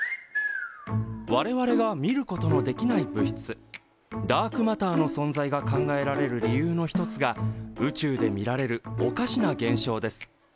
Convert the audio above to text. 我々が見ることのできない物質ダークマターの存在が考えられる理由の一つが宇宙で見られるおかしな現象です。